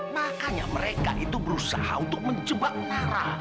makanya mereka itu berusaha untuk menjebak nara